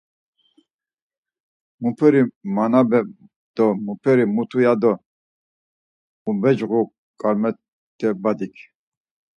Muperi manebe do muperi mutu ya do ubecğu Karmat̆e badik.